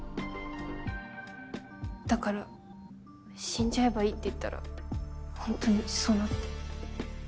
だから死んじゃえばいいって言ったらホントにそうなって。